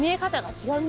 違う？